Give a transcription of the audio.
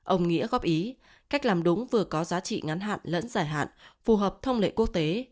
ông nghĩa góp ý cách làm đúng vừa có giá trị ngắn hạn lẫn giải hạn phù hợp thông lệ quốc tế